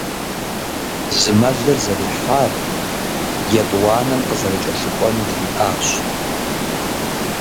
Зы мэлыр зэрихьар, етӀуанэм къызэрыкӀэлъыкӀуэнур жиӀащ.